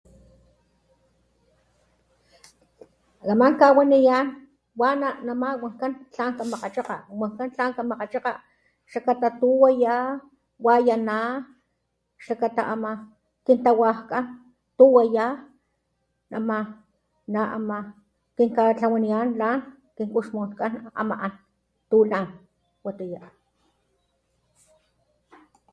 Kaman kawaniyan wana nama wankan tlan kamakgachakga wankan tlan kamakgachakga xlakata tu waya wayana xlakata ama kintawajkan tu waya ama na ama kinkatlawaniyan tlan kix kuxmunkan ama an tu lan. Watiya.